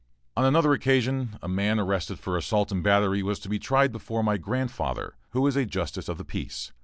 On another occasion, a man arrested for assault and battery was to be tried before my grandfather; who was a justice of the peace.